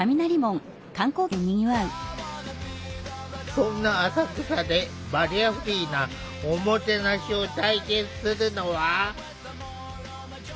そんな浅草でバリアフリーな“おもてなし”を体験するのは。